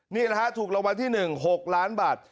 นี่แหละฮะถูกรางวัลที่๑๖ล้านบาท